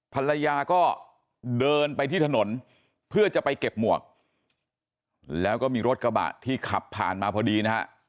ภรรยาก็เดินไปที่ถนนเพื่อจะไปเก็บหมวกแล้วก็มีรถกระบะที่ขับผ่านมาพอดีนะฮะ